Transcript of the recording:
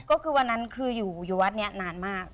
ก็คือวันนั้นคืออยู่วัดนี้นานมาก